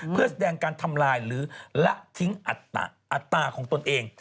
เพื่อแสดงการทำลายหรือละทิ้งอัตราของตนเอง